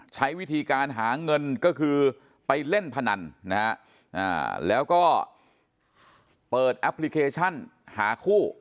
ใช้วิธีการหาเงินก็คือไปเล่นพนันนะฮะแล้วก็เปิดแอปพลิเคชันหาคู่